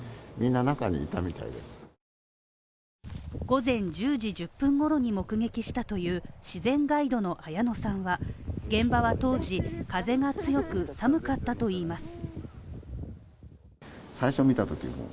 午前１０時１０分ごろに目撃したという自然ガイドの綾野さんは現場は当時、風が強く寒かったといいます。